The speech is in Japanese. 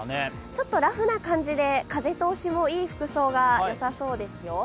ちょっとラフな感じで風通しもいい服装がよさそうですよ。